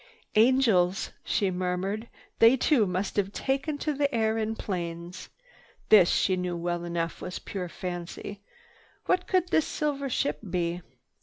"Angels!" she murmured. "They too must have taken to the air in planes." This, she knew well enough, was pure fancy. What could this silver ship be?